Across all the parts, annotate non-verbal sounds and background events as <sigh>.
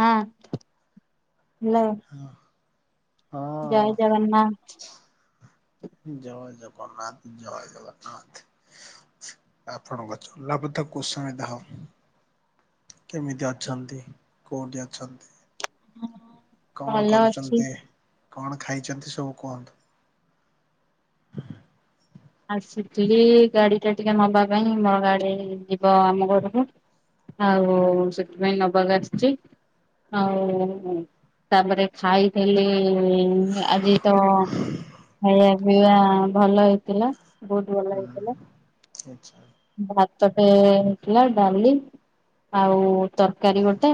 ହଁ ହେଲୋ, ହଁ ଜୟ ଜଗନ୍ନାଥ। ଜୟ ଜଗନ୍ନାଥ ଜୟ ଜଗନ୍ନାଥ। ଆପଣଙ୍କ ଚଲାପଥ କୁସୁମିତ ହଉ। କେମିତି ଅଛନ୍ତି, କୋଉଠି ଅଛନ୍ତି? କଣ ଭଲ ଅଛି। କରୁଛନ୍ତି, କଣ ଖାଇଛନ୍ତି ସବୁ କୁହନ୍ତୁ? ଆସିଥିଲି ଗାଡ଼ି ଟା ଟିକେ ନବା ପାଇଁ, ମୋ ଗାଡ଼ି ଯିବ ଆମ ଘରକୁ। ଆଉ-ଉ-ଉ ସେଥିପାଇଁ ନବାକୁ ଆସିଛି ଆଉ-ଉ-ଉ ତାପରେ ଖାଇଥିଲି-ଇ-ଇ-ଇ ଆଜି ତ ଖାଇବା ପିଇବା ଭଲ ହେଇଥିଲା। ବହୁତ ଭଲ ହେଇଥିଲା। ହୁଁ ଆଚ୍ଛା ଭାତଟେ ହେଇଥିଲା ଡାଲି ଆଉ-ଉ-ଉ ତରକାରୀ ହୁଁ ଗୋଟେ।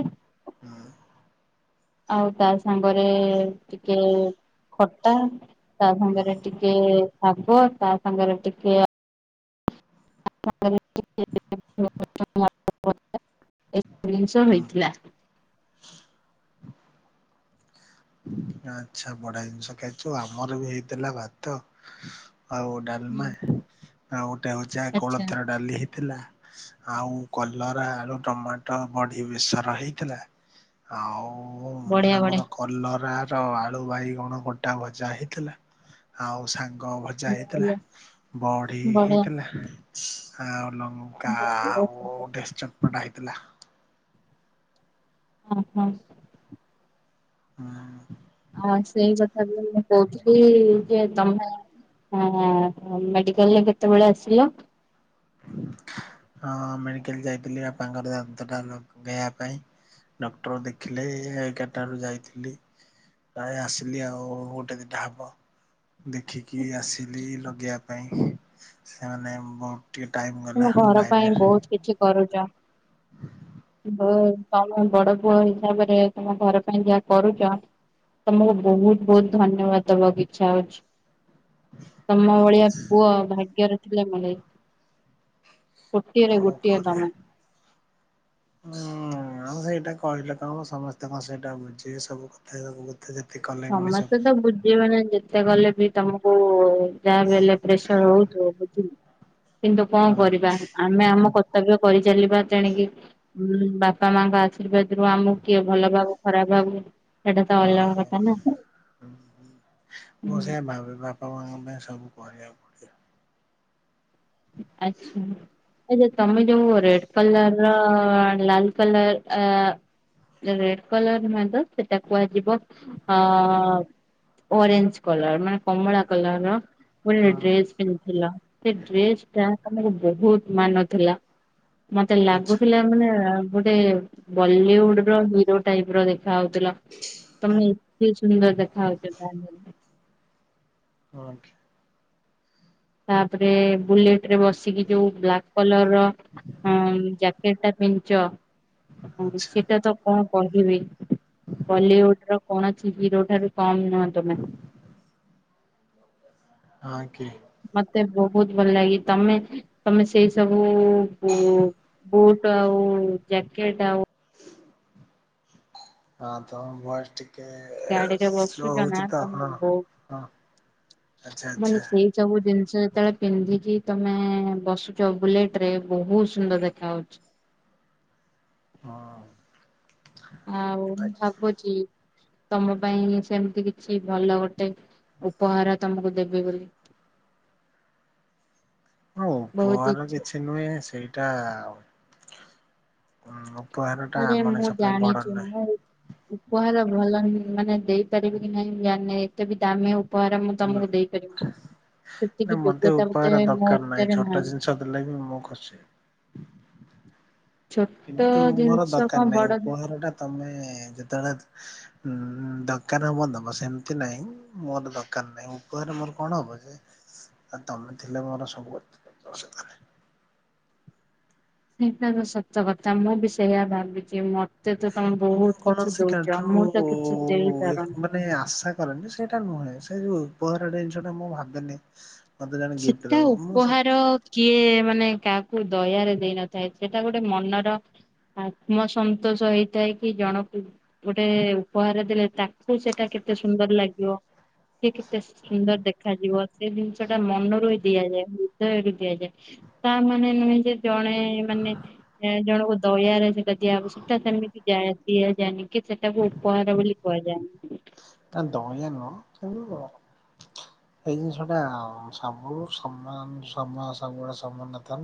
ହୁଁ। ଆଉ ତା ସାଙ୍ଗରେ-ଏ-ଏ-ଏ ଟିକେ ଖଟା, ତା ସାଙ୍ଗରେ ଟିକେ-ଏ-ଏ ଶାଗ, ତା ସାଙ୍ଗରେ ଟିକେ <inaudible> ଏ ଜିନିଷ ହୁଁ ହୋଇଥିଲା। ଆଚ୍ଛା ବଢ଼ିଆ ଜିନିଷ ଖାଇଛୁ। ଆମର ବି ହେଇଥିଲା ଭାତ ଆଉ ହୁଁ। ଡାଲମା, ଆଉ ଗୋଟେ ହଉଛି ଆ ଆଚ୍ଛା କୋଳଥ ଡାଲି ଥିଲା ଆଉ କଲରା, ଆଳୁ, ଟମାଟୋ, ବଡ଼ି ବେସର ହେଇଥିଲା। ଆଉ-ଉ-ଉ-ଉ ବଢିଆ ଆମର ବଢିଆ କଲରା ଟ ଆଳୁ, ବାଇଗଣ, ଗୋଟା ଭଜା ହେଇଥିଲା ଆଉ ସା ଗ ଭଜା ହେଇଥିଲା ବଡ଼ି ବଢିଆ। ହେଇଥିଲା ଆଉ ଲ କା ଉ-ଉ-ଉ ଗୋଟେ ଚଟପଟା ହେଇଥିଲା। ହଁ ହଁ। ହୁଁ। ଆ ସେଇ କଥା ବି ମୁଁ କହୁଥିଲି-ଇ-ଇ-ଇ-ଯେ ତମେ ହଁ-ଅ-ଅ ମେଡ଼ିକାଲରେ କେତେବେଳେ ଆସିଲ? ହଁ ମେଡ଼ିକାଲ ଯାଇଥିଲି ବାପାଙ୍କର ଦାନ୍ତଟା ଲଗେଇବା ପାଇଁ। ଡକ୍ଟର ଦେଖିଲେ-ଏ-ଏ ଏଗାରଟାରୁ ଯାଇଥିଲି। ପ୍ରାୟ ଆସିଲି ଆଉ-ଉ-ଉ ଗୋଟେ ଦିଟା ହବ ଦେଖି କି ଆସିଲି ଲଗେଇବା ପାଇଁ ସେମାନେ ମୋ ତୁମ ଘର ପାଇଁ ବହୁତ କିଛି କରୁଛ। <inaudible> ହୁଁ ତମେ ବଡ଼ ପୁଅ ହିସାବରେ ତମ ଘର ପାଇଁ ଯାହା କରୁଚ ତମକୁ ବହୁତ ବହୁତ ଧନ୍ୟବାଦ ଦବାକୁ ଇଚ୍ଛା ହଉଚି। ତମ ଭଳିଆ ପୁଅ ଭାଗ୍ୟର ଥିଲେ ମିଳେ। କୋଟିଏରେ କଣ ଗୋଟିଏ କରିଆ ତମେ। ହଁ ଆଉ ସେଇଟା କହିଲେ କଣ ସମସ୍ତଙ୍କ ସେଇଟା ବୁଝିବେ ସବୁ କଥା ସବ ସମସ୍ତେ ତ ବୁଝିବେନି ଯେତେ କଲେ ବି ତମକୁ-ଉ-ଉ-ଉ ଯାହାବି ହେଲେ ପ୍ରେସର ହଉଥିବ ବୁଝିଲ। କିନ୍ତୁ କଣ ହଁ କରିବା ଆମେ ଆମ କ କର୍ତ୍ତବ୍ୟ କରିଚାଲିବା ତେଣିକି ଉ-ଉ ବାପା ମାଆ ଙ୍କ ଆଶୀର୍ବାଦ ରୁ ଆମକୁ କିଏ ଭଲ ଭାବୁ ଖରାପ ଭାବୁ ସେଇଟା ତ ହଁ ଅଲଗା କଥା ହଁ ନା। ହୁଁ। ମୁଁ ସେଇଆ ଭାବେ ବାପା ମାଆ ଙ୍କ ପାଇଁ ସବୁ କରିବାକୁ ପଡ଼ିବ। ଆଚ୍ଛା। ଏ ତମେ ଯୋଉ ରେଡ୍ କଲର୍-ଅ-ଅ-ଅ ଲାଲ କଲର୍ ଆ ରେଡ କଲର ନୁହେଁ ତ ସେଇଟା କୁହାଯିବ ଅ-ଅ-ଅ-ଅ ଓରେଞ୍ଜ କଲର ମାନ କମଳା କଲର ଳର ଗୋଟେ ହଁ ଡ୍ରେସ ପିନ୍ଧିଥିଲ ସେ ଡ୍ରେସ ଟା ତମକୁ ବହୁତ ମାନୁଥିଲା। ମତେ ଆଚ୍ଛା ଲାଗୁଥିଲା ମାନେ-ଏ-ଏ ଗୋଟେ ବଲିଉଡ଼ ର ହିରୋ ଟାଇପ ର ଦେଖା ଯାଉଥିଲ ତମେ ଏତେ ସୁନ୍ଦର ଦେଖା ଯାଉଥିଲ। ହଠ ତାପରେ ବୁଲେଟ ରେ ବସିକି ଯୋଉ ବ୍ଲାକ୍ କଲର ର କେଟା ପଞ୍ଚ ଆଚ୍ଛା ସେଟା ତ କଣ କହିବି ବଲିଉଡ ର କଣ ଅଛି ହିରୋ ଠାରୁ କମ୍ ହଁ ତମେ ହଁ କି ମତେ ବହୁତ ଭଲ ଲାଗେ ତମେ ତମେ ସେଇ ସବୁ ବୁଟ ଆଉ ଜ୍ୟାକେଟ ଆଉ ହଁ ତମ ବୟସ ଟିକେ ଗାଡିରେ ସ୍ଲୋ ବସୁଛ ହଉଛି ତ ଆପଣ ହଁ ଆଚ୍ଛା ମାନ ଆଚ୍ଛା ସେଇ ସବୁ ଜିନିଷ ଯେତେବେଳେ ପିନ୍ଧିକି ତମେ ବସୁଛ ବୁଲେଟ ରେ ବହୁତ ସୁନ୍ଦର ଦେଖା ହାଉଉଛି ହଁ ଆଉ ମୁଁ ଭାବୁଛି ତମ ପାଇଁ ସେମିତି କିଛି ଭଲ ଗୋଟେ ଉପହାର ତମକୁ ଦେବେି ବୋଲି ବହୁତ ଉପହ ଇଚ୍ଛା କିଛି ନୁହେ ସେଇଟା ଉ ଆରେ ମୁଁ ଜାଣିଛିୁ ମୁଁ ଉପହାର ଭଲ ମାନେ ଦେଇପାରିବେ କି ନାହିଁ ଜେ ଏତେ ବି ଦାମେ ଉପରେ ମୁଁ ତମକୁ ଦେଇପାରିବି ନା ମତେ ଉପାୟର ଦରକାର ନାହିଁ ଛୋଟ ଜିନିଷ ଦେଲେ ବି ମୁଁ ଖୁସି ଛୋଟ କିନ୍ତୁ ମୋର ଜିନିଷ ଦରକାର କଣ ନାହିଁ ବଡ ଜିନିଷ ଉପହାର ଟା ତମେ ଯେତେବେଳେ ଉଁ ଦକାର ହବ ଦେବ ସେମିତି ନାହିଁ ମୋର ଦରକାର ନାହିଁ ରେ ମୋର କଣ ହବ ଯେ ଆ ତମେ ଥିଲେ ମୋର ସବୁରେ ସେଇଟା ତ ସତ କଥା ମୁଁ ବି ସେଇଆ ଭାବିଛି ମ ଏତେ ତ ତମେ ମୁଁ ବହୁତ କିଛି କୌଣସି ଦଉଛ କାଠରୁ ମୁଁ ତ କିଛି ଦେଇପାରୁନି ମାନେ ଆଶା ସେଇଟା ନୁହେଁ ସେ ଯୋଉ ଉପହାର ଜିନିଷ ଟା ମୁଁ ଭାବନି ସେଟା ଉପହାର କିଏ ମାନେ କାହାକୁ ଦୟାରେ ଦେଇ ନଥାଏ ସେଟା ଗୋଟେ ମନର ଆତ୍ମସନ୍ତୋଷ ହେଇଥାଏ କି ଜଣକୁ ଗୋଟେ ଉପହାର ଦେଲେ ତାକୁ ସେଇଟା କେେ କେତେ ସୁନ୍ଦର ଲାଗିବ ସେ କେତେ ସୁନ୍ଦର ଦେଖାଯିବ ସେ ଜିନିଷ ା ମନରୁ ଦିଆଯାଏ ହୃଦୟରୁୁ ଦିଆଯାଏ ତା ମାନେ ନୁହେଁ ଯେ ଜଣେ ମାନେ ଜଣଙ୍କୁ ଦୟାରେ ସେ ଦିଆବ ସେଟ ସେମିତି ଯା ଦିଆଯାଏନି କି ସେଟାକୁ ଉପହାର ବୋଲି କ କ ଯା ନା ଦହ ନ କେ ଏଇ ଜିନିଷଟା ସବୁ ସମାନ ସବୁୁଡ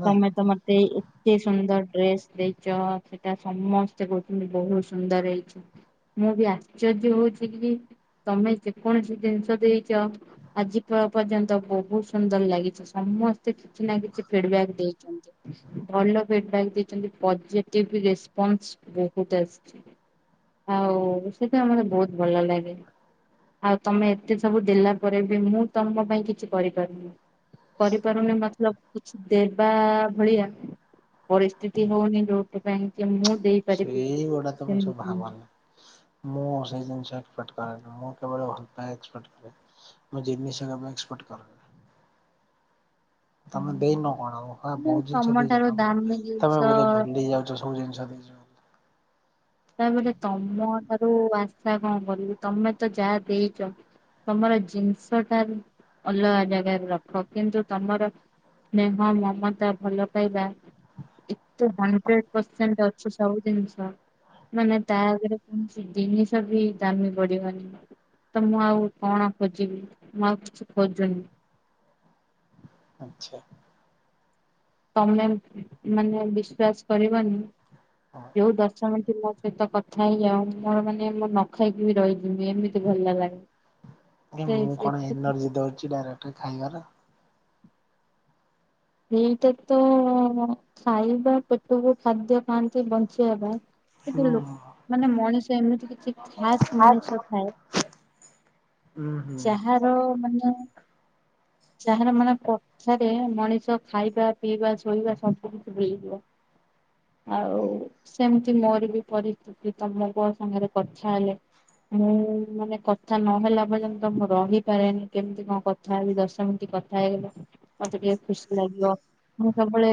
ତମେ ତ ମତେ ଏତେ ସୁନ୍ଦର ଡ୍ରେସ୍ ଦେଇଛ ସେଟା ସମସ୍ତେ କହୁଛନ୍ତି ବହୁତ ସୁନ୍ଦର ହେଇଛ ମୁଁ ବି ଆଶ୍ଚର୍ଯ୍ୟ ହଉଛି କି ତମେ ଯେକୌଣସି ଜିନିଷ ଦେଇଛ ଆଜି ପର୍ଯ୍ୟନ୍ତ ବହୁତ ସୁନ୍ଦର ଲାଗିଛି ସମସ୍ତେ କିଛି ନା କିଛି ଫିଡବକ୍ ଭଲ ଫିଡକ୍ ଦେଇଛନ୍ତି ପଜିଟିଭ ରେସ୍ପନ୍ସ ବହୁତ ଆସିଛି ହ ହଉ ସେଟା ଆମର ବହୁତ ଭଲ ଲାଗେ ଆଉ ତମେ ଏତେ ସବୁ ଦେଲା ପରେ ବି ମୁଁ ତମ ପାଇଁ କିଛି କରିପାରୁନି ପରିବାରେ ମତଲବ କିଛି ଦେର ଯ ଭଳିଆ ପରିସ୍ଥିତି ହଉନି ଯୋଉଥିପାଇଁ କି ମୁଁ ଦେଇପାରିବି ସେଇଗୁଡା ତ କିଛ ସେମିତି ନାହିଁ। ଭାବନି ମୁଁ ସେଇ ଜିନିଷ ମୁରେ ମୁ ଜିନି ତମେ ଦେଇନ କଣ ଆଉ ହ ହେଲେ ବହୁତ ଜିନିଷ ତମ ଦେଇଛ ଠାରୁ ଦାମୀ ଜିନିଷ ତମେ ବୋଧେ ଭୁଲି ଯାଉଛ ସବୁ ଜିନିଷ ଦେଇ। <unintelligible> ଆଉ ଆଶା କଣ କରିବି ତମେ ତ ଯାହା ଦେଇଛ। ତମର ଜିନିଷ ଟା ଅଲଗା ଜାଗାରେ ରଖ କିନ୍ତୁ ତମର ସ୍ନେହ, ମମତା, ଭଲ ପାଇବା ଏତେ ହଣ୍ଡ୍ରେଡ ପରସେଣ୍ଟ ଅଛି ସବୁ ଜିନିଷ ମାନେ ତା ଆଗରେ କୌଣସି ଜିନିଷ ବି ଦାମୀ ବଢ଼ିବନି। ତ ମୁଁ ଆଉ କଣ ଖୋଜିବି ମୁଁ ଆଉ କିଛି ଖୋଜୁନି। ହଁ ତମେ ମାନେ ବିଶ୍ୱାସ କରିବନି ଯୋଉ ଦଶ ମିନିଟ୍ ମୋ ସହିତ କଥା ହେଇଯାଉ ମୋର ମାନେ ମୁଁ ନ ଖାଇକି ବି ରହିଯିବି ଏମିତି ଭଲ ଭଲ ଲାଗ। ହଁ ମୁଁ କଣ ଏନର୍ଜି ଦଉଛି ଡାଇରେକ୍ଟ ଖାଇବାର। ଏଇଟା ତ ଖାଇବା ପେଟକୁ ଖାଦ୍ୟ ଖାଆନ୍ତି ବଞ୍ଚିବା ପାଇଁ। କିନ୍ତୁ ହୁଁ ଲୋକମାନେ ମଣିଷ ଏମିତି କିଛି ଖାସ୍ ମଣିଷ ଥାଏ ହୁଁ ହୁଁ ଯାହାର ମାନେ ଯାହାର ମାନେ କଥାରେ ମଣିଷ ଖାଇବା, ପିଇବା, ଶୋଇବା ସବୁ କିଛି ଭୁଲିଯିବ। ଆଉ ସେମିତି ମୋର ବି ପରିସ୍ଥିତି ତମ କୋଅ ସାଙ୍ଗରେ କଥା ହେଲେ ମୁଁ ମାନେ କଥା ନହେଲା ପର୍ଯ୍ୟନ୍ତ ମୁଁ ରହିପାରେନି କେମିତି କଣ କଥା ହେବି ଦଶ ମିନିଟ୍। କଥା ହେଇଗଲେ ମତେ ଟିକେ ଖୁସି ଲାଗିବ ମୁଁ ସବୁବେଳେ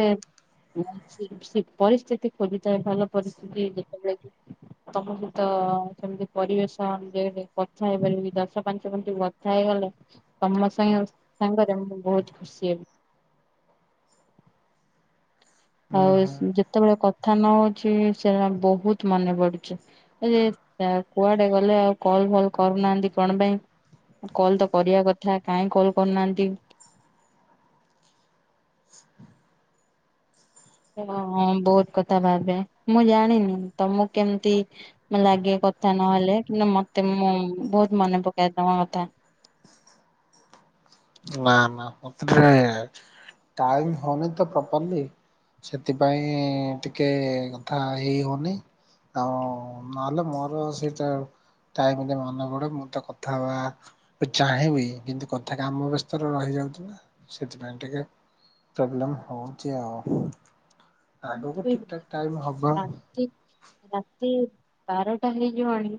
ପରିସ୍ଥିତି ଖୋଜିଥାଏ ଭଲ ପରିସ୍ଥିତି ଦେଖ ତମକୁ ତ ସେମିତି ପରିବେଶ ଯେମିତି କଥା ହେଇପାରିବିନି ଦଶ ପାଞ୍ଚ ମିନିଟ୍ କଥା ହେଇଗଲେ ତମ ମୋ ସାଙ୍ଗ ସାଙ୍ଗରେ ମୁଁ ବହୁତ ଖୁସି ହେବି। ଆଉ ହୁଁ ଯେତେବେଳେ କଥା ନ ହଉଛି ସେ ବହୁତ ମନେ ପଡୁଛି ଏ ଯେ କୁଆଡ଼େ ଗଲେ ଆଉ କଲ ଫଲ କରୁନାହାନ୍ତି କଣ ପାଇଁ? କଲ୍ ତ କରିବା କଥା କାହିଁ କଲ୍ କରୁନାହାନ୍ତି? ଓ ବହୁତ କଥା ଭାବେ ମୁଁ ଜାଣିନି ତମକୁ କେମିତି ଲାଗେ କ କଥା ନହେଲେ କିନ୍ତୁ ମତେ ମୁଁ ବହୁତ ମନେ ପକେଏ ତମ କଥା। ନା ନା ମତେ ଟିକେ ଟାଇମ୍ ହଉନି ତ ପ୍ରପରଲି। ସେଥିପାଇଁ ଟିକେ କଥା ହେଇ ହଉନି। ହ ନଲେ ମୋର ସେଇଟା ଟାଇମ୍ ଟା ମନେ ପଡ଼େ ମୁଁ ତ କଥା ହବା ଚାହିଁବି କିନ୍ତୁ କଥା କାମ ବ୍ୟସ୍ତ ରେ ରହିଯାଉଛି ନା ସେଥିପାଇଁ ଟିକେ ପ୍ରୋବ୍ଲେମ ହଉଛି ଆଉ। ଏମିତି ଆଗକୁ ବି ଠିକ୍ ବେଳେ ଠାକ୍ ଟାଇମ ବେଳେ ହବ। ହୁଏ ରାତି ରାତି ବାରଟା ହେଇଯିବ ଆଣି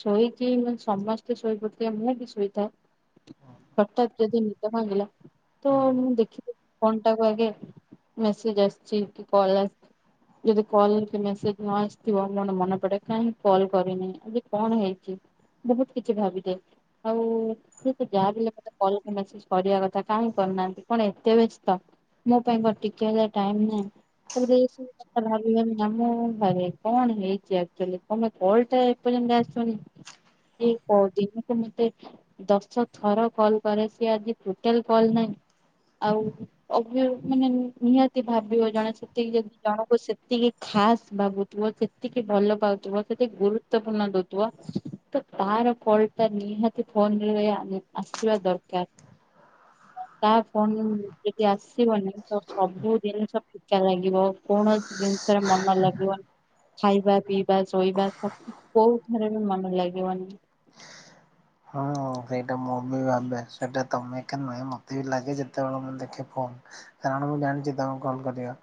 ଶୋଇକି ସମସ୍ତେ ଶୋଇପଡ଼ିଥିବେ ମୁଁ କିନ୍ ଶୋଇଥାଏ ହଠାତ୍ ଯଦି ନିଦ ଭାଙ୍ଗିଲା ତ ମୁଁ ଦେଖିଦିଏ ଫୋନ ଟାକୁ ଆଗେ ମେସେଜ ଆସିଛି କି କଲ ଆ ଯଦି କଲ କି ମେସେଜ ନ ଆସିଥିବ ମୋ ମନେ ପଡ଼େ କାହିଁକ କଲ୍ କରିନି ଆଜି କଣ ହେଇଛି? ବହୁତ କିଛି ଭାବିଥାଏ ଆଉ ତ ଯାହା ହେଲେ ବି ମତେ କଲ କି ମେସେଜ କରିବା କଥା କାହିଁ କର ରିନାହାନ୍ତି କଣ ଏତେ ବ୍ୟସ୍ତ ମୋ ପାଇଁ କଣ ଟିକେ ହେଲେ ଟାଇମ ନାହିଁ। ତାପରେ ଏସବୁ କଥା ଭାବି ଭାବି ନା ମୁଁ ଭାବେ କଣ ହେଇଛି ଆକଚୁଆଲି କପାଇଁ କଲ୍ ଟା ଏପର୍ଯ୍ୟନ୍ତ ଆସୁନି। ଯିଏ ଦିନକୁ ମୋତେ ଦଶ ଥର କଲ୍ କରେ ସିଏ ଆଜି ଟୋଟାଲ କଲ ନାହିଁ। ଆଉ ଅ ମାନେ ନିହାତି ଭାବିବ ଜଣେ ସେ ସେତିକି ଯଦି ଜଣକୁ ସେତିକି ଖାସ୍ ଭାବୁଥିବ ସେତିକି ଭଲ ପାଉଥିବ ସେତିକି ଗୁରୁତ୍ୱପୂର୍ଣ୍ଣ ଦଉଥିବ ତ ତାର ଫଲଟା ନିହାତି ଫୋନରେ ଆସିବା ଦରକାର। <unintelligible> ତା ଫୋନ ଯଦି ଆସିବନି ତ ସବୁ ଜିନିଷ <unintelligible> ଲାଗିବ କୌଣସି ଜିନିଷରେ ମନ ଲାଗିବନି। ଖାଇବା ପିଇବା ଶୋଇବା ସ କୋଉଥରେ ବି ମନ ଲାଗିବନି। ହଁ। ସେଇଟା ମୁଁ ବି ଭାବେ ସେଇଟା ତମେ ଏକା ନୁହେଁ ମତେ ବି ଲାଗେ ଯେତେବେଳେ ମୁ ଦେଖେ ଫନ୍। କାରଣ ମୁଁ ଜାଣିଛି ତମେକଲ୍ କରିବ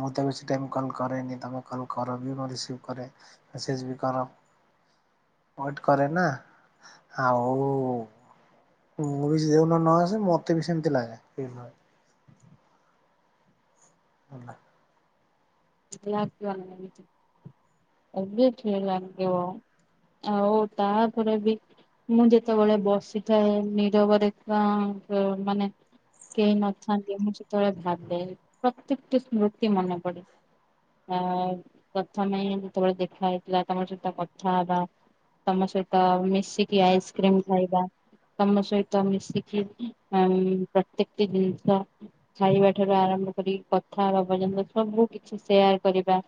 ମୁଁ ତ ବେ ସି ଟାଇମ୍ କଲ୍ କରେନି ତୁମେ କଲ୍ କର ବି ମୁଁ ରିସିଭ୍ କରେ। ମେସେଜ ବି କର ୱେଟ କରେ ନା। ଆଉ <unintelligible> ମତେ ବି ସେମିତି ଲାଗେ। <inaudible> <unintelligible> ଆଉ ତାପରେ ବି ମୁଁ ଯେତେବେଳେ ବସିଥାଏ ନିରବରେ ତ ତ ମାନେ କେଏ ନଥାନ୍ତି ମୁଁ ସେତେବେଳେ ମୁଁ ଭାବେ ପ୍ରତ୍ୟେକଟି ସ୍ମୃତି ମନେ ପଡ଼େ। ଆ ପ୍ରଥମେ ଯେତେବେଳେ ଦେଖା ହେଇଥିଲା ତମର ସହିତ କଥା ହବା। ତମ ସହିତ ମିଶିକି ଆଇସ୍କ୍ରିମ ଖାଇବା। ତମ ସହିତ ମିଶିକି ଉମ୍ -ପ୍ରତ୍ୟେକଟି ଜିନିଷ ଖାଇବା ଠାରୁ ଆରମ୍ଭ କରି କଥା ପର୍ଯ୍ୟନ୍ତ ସବୁ କିଛି ସେୟାର କରିବା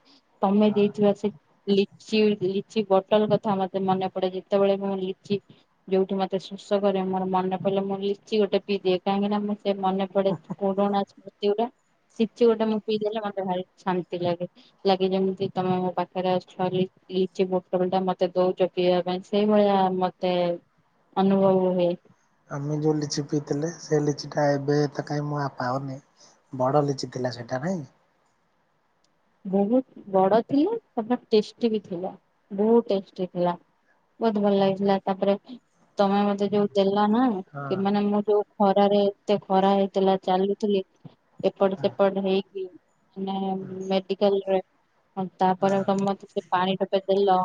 ତମେ ଦେଇଥିବା ସେ ଲିଚି ଲିଚି ବଟଲ କଥା ମତେ ମନେ ପଡେ ଯେତେବେଳେ ମୁଁ ଲିଚି ଯୋଉଠି ମତେ ଶୋଷ କରେ ମୋର ମନେ ପଡ଼ିଲେ ମୁଁ ଲିଚି ଗୋଟେ ପିଇ ଦିଏ କାହିଁକି ନା ମୁଁ ସେ ମନେ ପଡେ ପୁରୁଣାସ୍ମୃତି କିଛି ଗୋଟେ ମୁଁ ପିଇ ଦେେଲେ ମତେ ଭାରି ଛାନ୍ତି ଲାଗେ ଲାଗେ ଯେମିତି ତମେ ମୋ ପାଖ ପାଖରେ ଅଛ ଲିଚି ବୋଟଲ ଟା ମତେ ଦଉଛ ପିଇବା ପାଇଁ ସେଇଭଳିଆ ମତେ ଅନୁଭବହୁଏ। ଆମେ ଯୋଉ ଲିଚି ପିଇଥିଲେ ସେ ଲିଚି ଟା ଏବେ ତ କାହିଁ ମୁଁ ପାଉନି ବଡ ଲିଚି ଟେ। ଟା ସେଇଟା ନାଇ? ବହୁତ ବଡ ଥିଲା ଟେଷ୍ଟି ବି ଥିଲା ବହୁଟେଷ୍ଟ୍ ଥିଲା। ବହୁତ ଭଲ ଲାଗିଥିଲା ତାପରେ ତମେ ମତେ ଯୋଉ ଦେଲା ନା ହଁ କି ମାନେ ମୁଁ ଯୋଉ ଖରାରେ ଏତେ ଖରା ହେଇଥିଲା ଚାଲୁଥିଲି ଏପଟ ହଁ ସେପଟ ହେଇକି ହଁ ନାମେ ମେଡିକାଲ୍ ରେ ତାପରେ ତମେ ମତେ ସେ ପାଣି ଟୋପେ ଦେଲ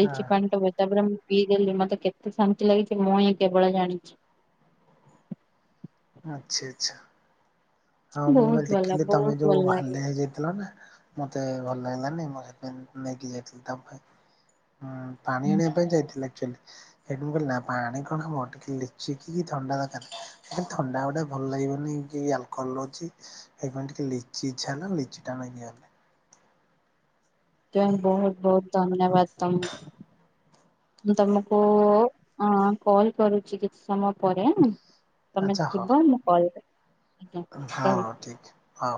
ଲିଚି ହଁ ପାଣି ଟୋପେ ତାପରେ ମୁଁ ପିଇ ଦେଲି ମତେ କେତେ ଶାନ୍ତି ଲାଗିଛି ମୁଁ ହିଁ କେବଳ ଜାଣିଛି। ଆଚଛା ଆଚଛା। ହଁ ମୁଁ ବା ବହୁତ ଭଲ ଦେଖିଲି ତମେ ବହୁତ ଯୋଉ ଭଲ ଲାଗେ ହାଲିଆ ହେଇ ଯାଇଥିଲ ନା ମତେ ଭଲ ଲାଗିଲାନି ମୁଁ ସେଥିପାଇଁ ନେଇକି ଯାଇଥିଲି ତମ ପାଇଁଁ ପାଣି ଆଣିବା ପାଇଁ ଯାଇଥିଲି ସେଠି ମୁଁ କହିଲି ନା ପାଣି କଣ ହବ ଲିଚିକିି ଥଣ୍ଡା ଦରକାର ଥଣ୍ଡା ଗୋଟ୍ ଟା ଭଲ ଲାଗିବନି କି ଆଲକୋହଲ ଅଛି ସେଇପାଇଁ ଟିକେ ଲିଚି ଇ୍ଛା ହେଲା ଲିଚି ଟା ନେଇକି ଆଇଲି। ତ ବହୁତ ବହୁତ ଧନ୍ୟବାଦ ତମକୁ। ମୁଁ ତମକୁ ଅ-କଲ କରୁଛି କିଛି ସମୟ ପରେ। ତମେ ଆଚ୍ଛା ହଉ ଥିବା ମୁଁ କଲ୍ କରିବି। <inaudible> ହଁ।